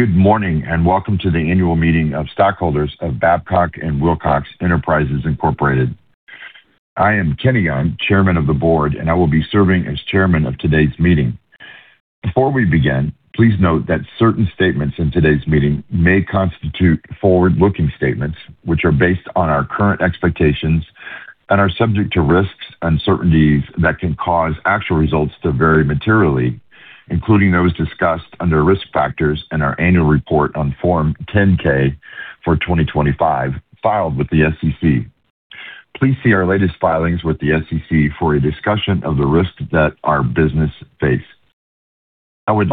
Good morning, and welcome to the annual meeting of stockholders of Babcock & Wilcox Enterprises Incorporated. I am Kenneth Young, Chairman of the Board, and I will be serving as chairman of today's meeting. Before we begin, please note that certain statements in today's meeting may constitute forward-looking statements, which are based on our current expectations and are subject to risks and uncertainties that can cause actual results to vary materially, including those discussed under Risk Factors in our annual report on Form 10-K for 2025 filed with the SEC. Please see our latest filings with the SEC for a discussion of the risks that our business face. I would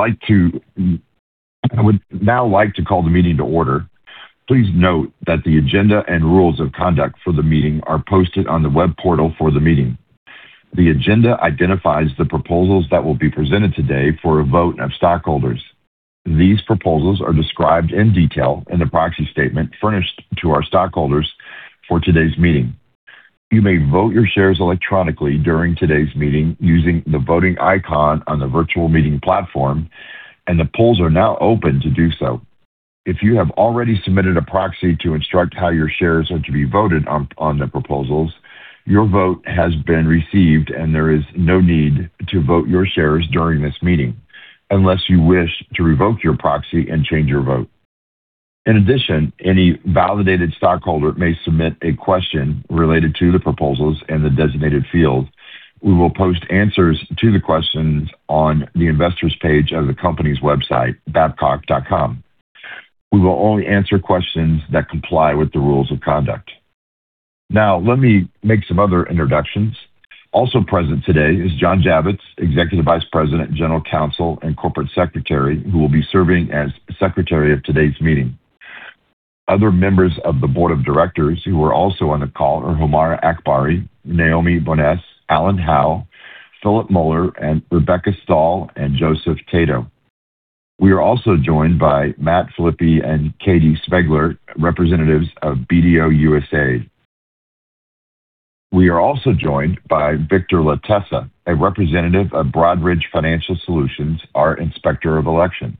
now like to call the meeting to order. Please note that the agenda and rules of conduct for the meeting are posted on the web portal for the meeting. The agenda identifies the proposals that will be presented today for a vote of stockholders. These proposals are described in detail in the proxy statement furnished to our stockholders for today's meeting. You may vote your shares electronically during today's meeting using the voting icon on the virtual meeting platform, and the polls are now open to do so. If you have already submitted a proxy to instruct how your shares are to be voted on the proposals, your vote has been received and there is no need to vote your shares during this meeting, unless you wish to revoke your proxy and change your vote. In addition, any validated stockholder may submit a question related to the proposals in the designated field. We will post answers to the questions on the Investors page of the company's website, babcock.com. We will only answer questions that comply with the rules of conduct. Now, let me make some other introductions. Also present today is John Dziewisz, Executive Vice President, General Counsel, and Corporate Secretary, who will be serving as Secretary of today's meeting. Other members of the board of directors who are also on the call are Homaira Akbari, Naomi Boness, Alan Howe, Philip Moeller, Rebecca Stahl and Joseph Tato. We are also joined by Matt Flippy and Katie Spiegler, representatives of BDO U.S.A. We are also joined by Victor Latessa, a representative of Broadridge Financial Solutions, our Inspector of Election.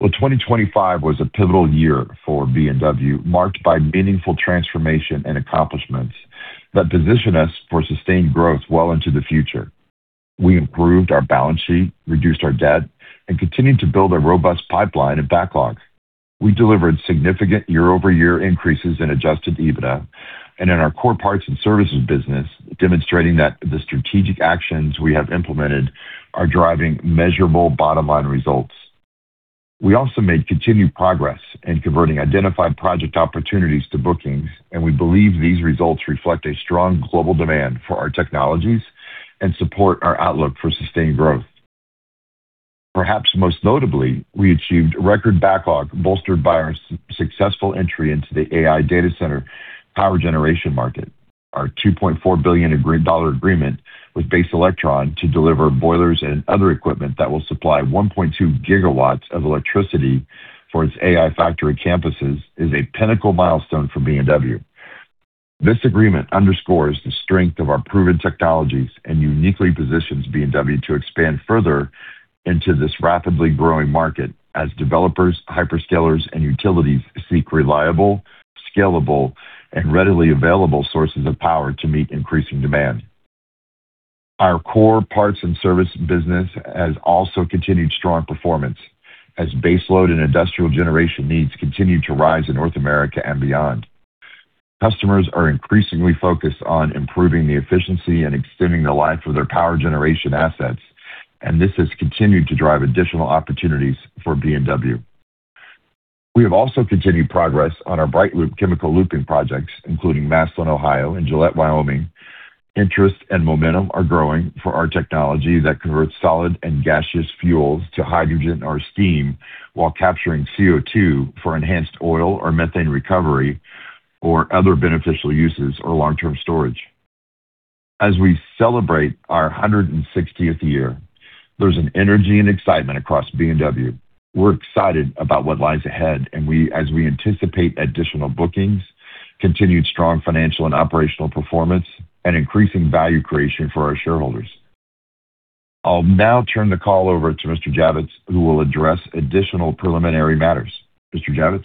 Well, 2025 was a pivotal year for B&W, marked by meaningful transformation and accomplishments that position us for sustained growth well into the future. We improved our balance sheet, reduced our debt, and continued to build a robust pipeline of backlogs. We delivered significant year-over-year increases in adjusted EBITDA and in our core parts and services business, demonstrating that the strategic actions we have implemented are driving measurable bottom-line results. We also made continued progress in converting identified project opportunities to bookings, and we believe these results reflect a strong global demand for our technologies and support our outlook for sustained growth. Perhaps most notably, we achieved a record backlog bolstered by our successful entry into the AI data center power generation market. Our $2.4 billion agreement with Base Electric to deliver boilers and other equipment that will supply 1.2 GW of electricity for its AI factory campuses is a pinnacle milestone for B&W. This agreement underscores the strength of our proven technologies and uniquely positions B&W to expand further into this rapidly growing market as developers, hyperscalers, and utilities seek reliable, scalable, and readily available sources of power to meet increasing demand. Our core parts and service business has also continued strong performance as baseload and industrial generation needs continue to rise in North America and beyond. Customers are increasingly focused on improving the efficiency and extending the life of their power generation assets, this has continued to drive additional opportunities for B&W. We have also continued progress on our BrightLoop chemical looping projects, including Massillon, Ohio, and Gillette, Wyoming. Interest and momentum are growing for our technology that converts solid and gaseous fuels to hydrogen or steam while capturing CO2 for enhanced oil or methane recovery or other beneficial uses or long-term storage. As we celebrate our 160th year, there's an energy and excitement across B&W. We're excited about what lies ahead and as we anticipate additional bookings, continued strong financial and operational performance, and increasing value creation for our shareholders. I'll now turn the call over to Mr. Dziewisz, who will address additional preliminary matters. Mr. Dziewisz.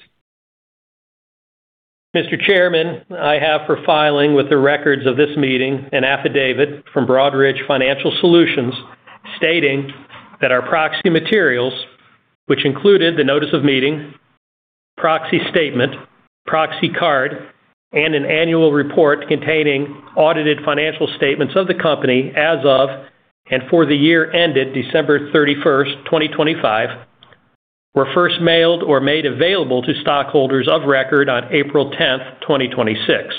Mr. Chairman, I have for filing with the records of this meeting an affidavit from Broadridge Financial Solutions stating that our proxy materials, which included the notice of meeting, proxy statement, proxy card, and an annual report containing audited financial statements of the company as of and for the year ended December 31st, 2025, were first mailed or made available to stockholders of record on April 10th, 2026.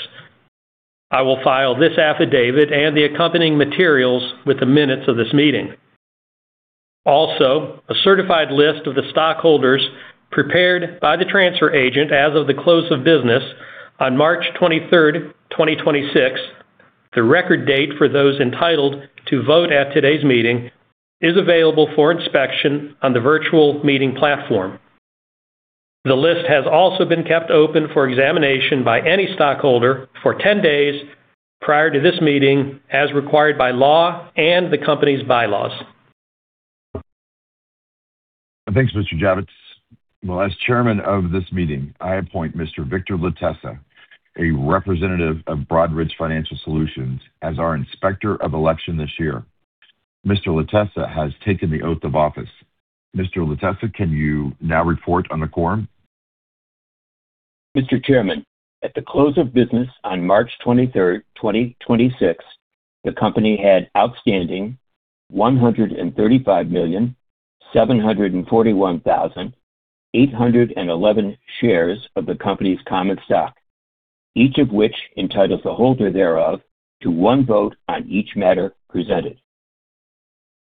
I will file this affidavit and the accompanying materials with the minutes of this meeting. A certified list of the stockholders prepared by the transfer agent as of the close of business on March 23rd, 2026, the record date for those entitled to vote at today's meeting, is available for inspection on the virtual meeting platform. The list has also been kept open for examination by any stockholder for 10 days prior to this meeting, as required by law and the company's bylaws. Thanks, Mr. Dziewisz. Well, as chairman of this meeting, I appoint Mr. Victor Latessa, a representative of Broadridge Financial Solutions, as our Inspector of Election this year. Mr. Latessa has taken the oath of office. Mr. Latessa, can you now report on the quorum? Mr. Chairman, at the close of business on March 23rd, 2026, the company had outstanding 135,741,811 shares of the company's common stock, each of which entitles the holder thereof to one vote on each matter presented.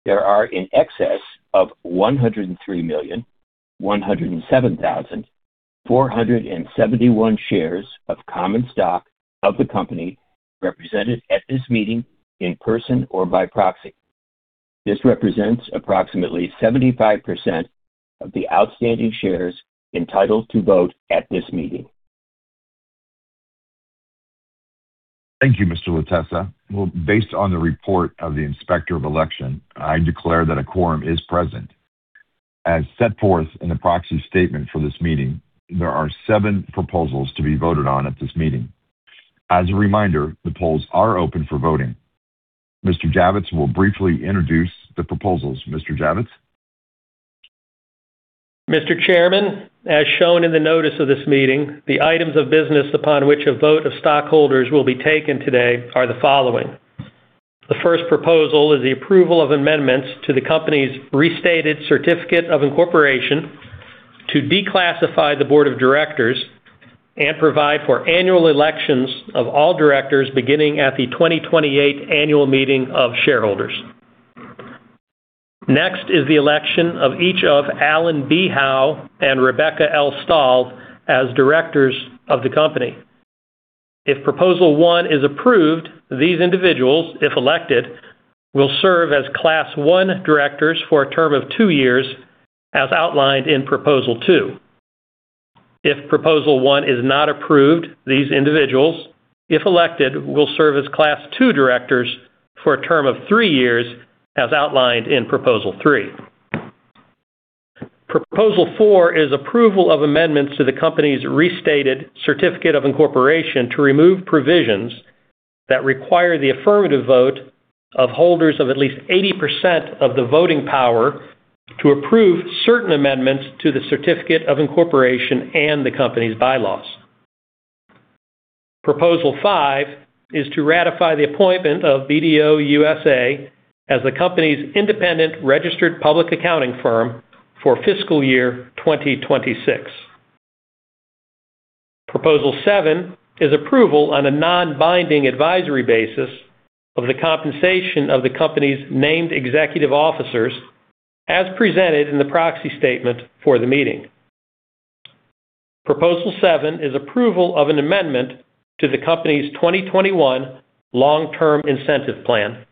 There are in excess of 103,107,471 shares of common stock of the company represented at this meeting in person or by proxy. This represents approximately 75% of the outstanding shares entitled to vote at this meeting. Thank you, Mr. Latessa. Well, based on the report of the Inspector of Election, I declare that a quorum is present. As set forth in the proxy statement for this meeting, there are seven proposals to be voted on at this meeting. As a reminder, the polls are open for voting. Mr. Dziewisz will briefly introduce the proposals. Mr. Dziewisz? Mr. Chairman, as shown in the notice of this meeting, the items of business upon which a vote of stockholders will be taken today are the following. The first proposal is the approval of amendments to the company's restated certificate of incorporation to declassify the board of directors and provide for annual elections of all directors beginning at the 2028 annual meeting of shareholders. Next is the election of each of Alan B. Howe and Rebecca L. Stahl as directors of the company. If Proposal 1 is approved, these individuals, if elected, will serve as Class I directors for a term of two years, as outlined in Proposal 2. If Proposal one is not approved, these individuals, if elected, will serve as Class II directors for a term of three years, as outlined in Proposal 3. Proposal 4 is approval of amendments to the company's Restated Certificate of Incorporation to remove provisions that require the affirmative vote of holders of at least 80% of the voting power to approve certain amendments to the certificate of incorporation and the company's bylaws. Proposal 5 is to ratify the appointment of BDO USA as the company's independent registered public accounting firm for fiscal year 2026. Proposal 7 is approval on a non-binding advisory basis of the compensation of the company's named executive officers, as presented in the proxy statement for the meeting. Proposal 7 is approval of an amendment to the company's 2021 Long-Term Incentive Plan.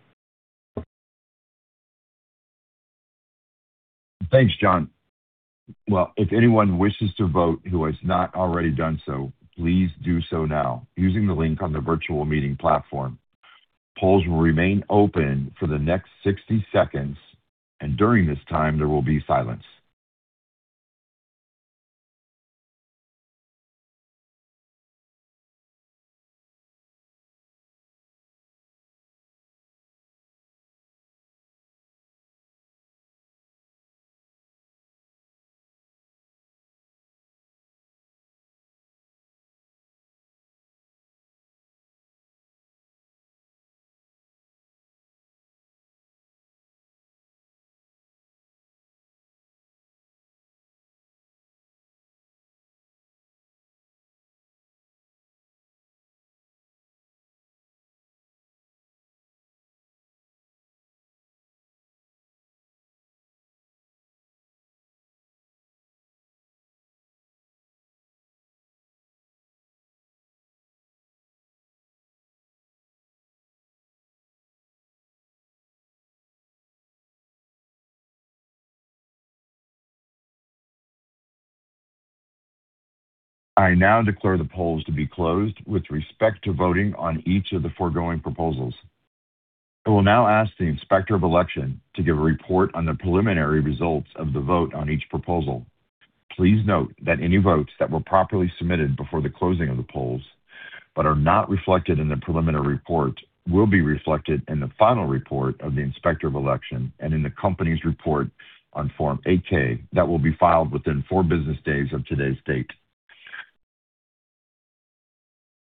Thanks, John. Well, if anyone wishes to vote who has not already done so, please do so now using the link on the virtual meeting platform. Polls will remain open for the next 60 seconds, and during this time, there will be silence. I now declare the polls to be closed with respect to voting on each of the foregoing proposals. I will now ask the Inspector of Election to give a report on the preliminary results of the vote on each proposal. Please note that any votes that were properly submitted before the closing of the polls but are not reflected in the preliminary report will be reflected in the final report of the Inspector of Election and in the company's report on Form 8-K that will be filed within four business days of today's date.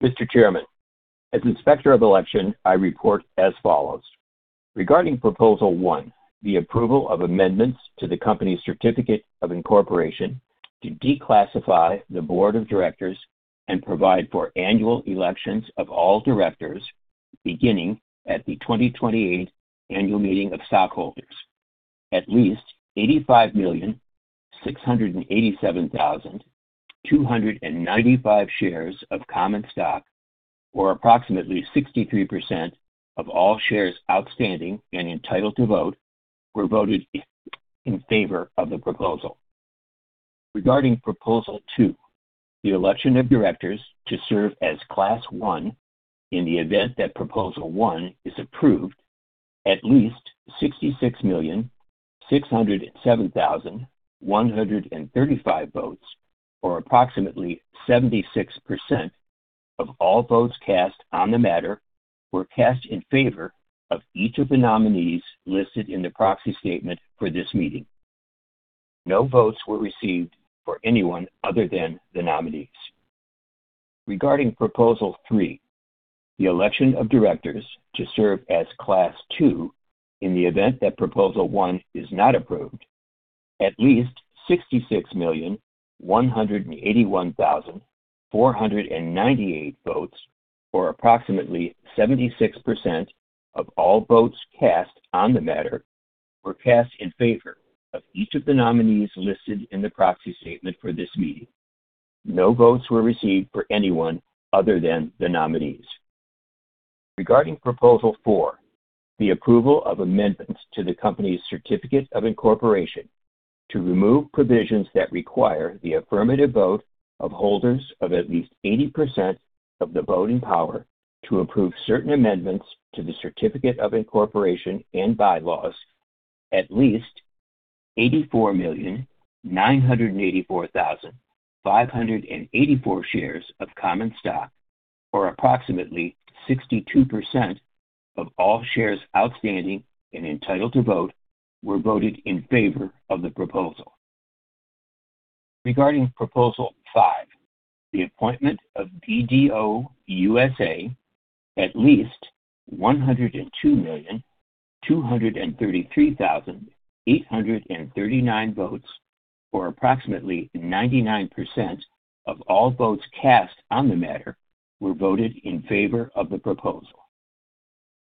Mr. Chairman, as Inspector of Election, I report as follows: Regarding Proposal 1, the approval of amendments to the company's restated certificate of incorporation to declassify the board of directors and provide for annual elections of all directors beginning at the 2028 annual meeting of stockholders. At least 85,687,295 shares of common stock. Approximately 63% of all shares outstanding and entitled to vote were voted in favor of the proposal. Regarding Proposal 2, the election of directors to serve as Class 1 in the event that Proposal 1 is approved, at least 66,607,135 votes, or approximately 76% of all votes cast on the matter, were cast in favor of each of the nominees listed in the proxy statement for this meeting. No votes were received for anyone other than the nominees. Regarding Proposal 3, the election of directors to serve as Class 2 in the event that Proposal 1 is not approved, at least 66,181,498 votes, or approximately 76% of all votes cast on the matter, were cast in favor of each of the nominees listed in the proxy statement for this meeting. No votes were received for anyone other than the nominees. Regarding Proposal 4, the approval of amendments to the company's Certificate of Incorporation to remove provisions that require the affirmative vote of holders of at least 80% of the voting power to approve certain amendments to the Certificate of Incorporation and bylaws, at least 84,984,584 shares of common stock, or approximately 62% of all shares outstanding and entitled to vote, were voted in favor of the proposal. Regarding Proposal 5, the appointment of BDO U.S.A, at least 102,233,839 votes, or approximately 99% of all votes cast on the matter, were voted in favor of the proposal.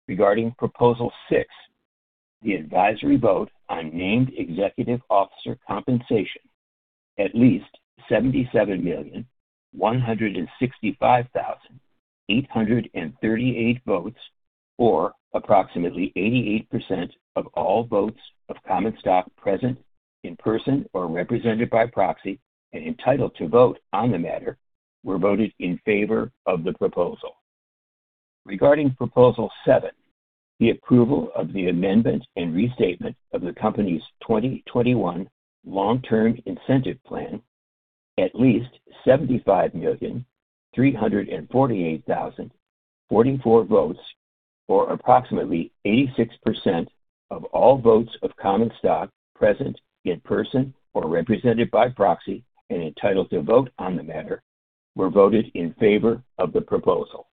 Regarding Proposal 6, the advisory vote on named executive officer compensation, at least 77,165,838 votes, or approximately 88% of all votes of common stock present in person or represented by proxy and entitled to vote on the matter, were voted in favor of the proposal. Regarding Proposal 7, the approval of the amendment and restatement of the company's 2021 long-term incentive plan, at least 75,348,044 votes, or approximately 86% of all votes of common stock present in person or represented by proxy and entitled to vote on the matter, were voted in favor of the proposal.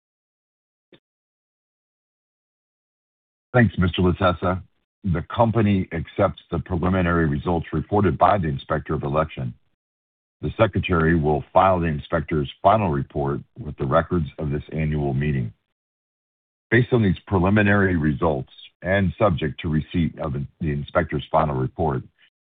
Thanks, Mr. Latessa. The company accepts the preliminary results reported by the Inspector of Election. The Secretary will file the inspector's final report with the records of this annual meeting. Based on these preliminary results, and subject to receipt of the inspector's final report,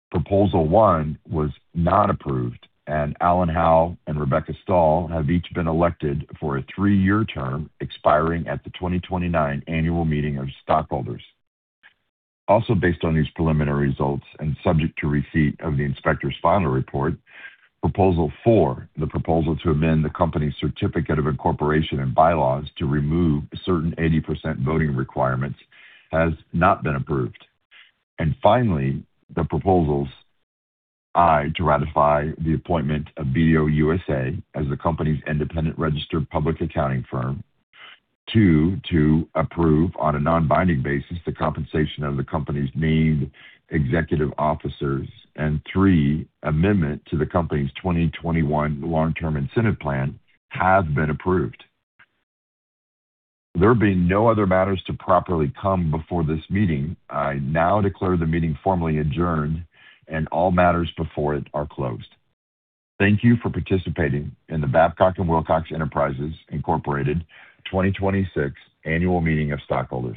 Proposal 1 was not approved, and Alan Howe and Rebecca Stahl have each been elected for a three-year term expiring at the 2029 annual meeting of stockholders. Also based on these preliminary results, and subject to receipt of the inspector's final report, Proposal 4, the proposal to amend the company's Certificate of Incorporation and bylaws to remove certain 80% voting requirements, has not been approved. Finally, the proposals, I, to ratify the appointment of BDO U.S.A as the company's independent registered public accounting firm. Two, to approve, on a non-binding basis, the compensation of the company's named executive officers. Three, amendment to the company's 2021 long-term incentive plan, have been approved. There being no other matters to properly come before this meeting, I now declare the meeting formally adjourned and all matters before it are closed. Thank you for participating in the Babcock & Wilcox Enterprises, Inc. 2026 Annual Meeting of Stockholders.